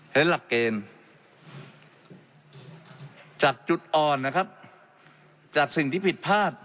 หลักเกณฑ์จากจุดอ่อนนะครับจากสิ่งที่ผิดพลาด